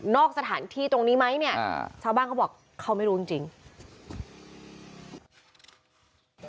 สถานที่ตรงนี้ไหมเนี่ยชาวบ้านเขาบอกเขาไม่รู้จริงจริง